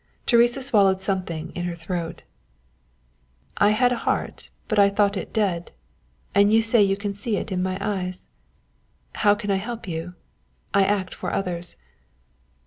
Teresa swallowed something in her throat. "I had a heart, but I thought it dead and you say you can see it in my eyes. How can I help you? I act for others."